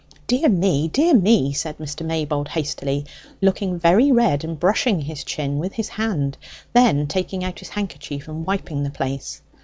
"Dear me, dear me!" said Mr. Maybold hastily, looking very red, and brushing his chin with his hand, then taking out his handkerchief and wiping the place.